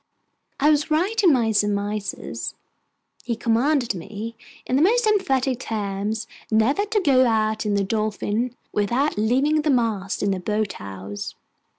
I was right in my surmises. He commanded me, in the most emphatic terms, never to go out in the Dolphin without leaving the mast in the boat house.